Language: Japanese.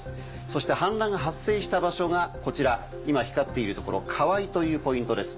そして氾濫が発生した場所がこちら今光っている所川合というポイントです。